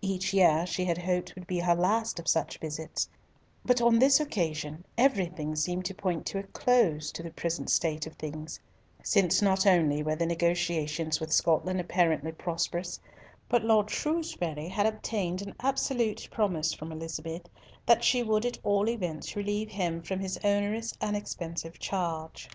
Each year she had hoped would be her last of such visits, but on this occasion everything seemed to point to a close to the present state of things, since not only were the negotiations with Scotland apparently prosperous, but Lord Shrewsbury had obtained an absolute promise from Elizabeth that she would at all events relieve him from his onerous and expensive charge.